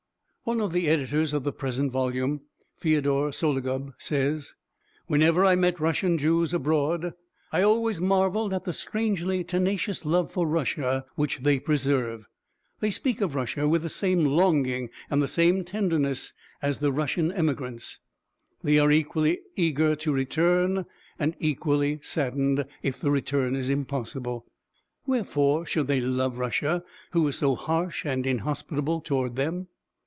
One of the editors of the present volume, Fyodor Sologub, says: "Whenever I met Russian Jews abroad, I always marvelled at the strangely tenacious love for Russia which they preserve. They speak of Russia with the same longing and the same tenderness as the Russian emigrants; they are equally eager to return and equally saddened, if the return is impossible. Wherefore should they love Russia, who is so harsh and inhospitable toward them?"